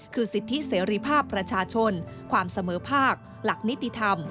คือสิทธิเสรีภาพประชาชนความเสมอภาคหลักนิติธรรม